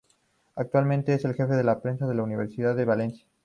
Actualmente es el jefe de prensa de la Universidad de Valencia.